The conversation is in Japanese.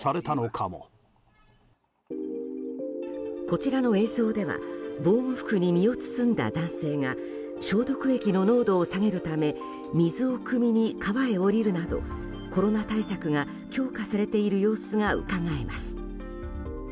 こちらの映像では防護服に身を包んだ男性が消毒液の濃度を下げるため水をくみに川へ降りるなどコロナ対策が強化されている様子がうかがえます。